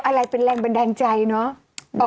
อะไรเป็นแรงบันดาลใจเนอะ